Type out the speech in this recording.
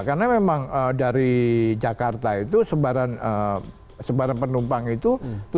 karena memang dari jakarta itu sebaran penumpang itu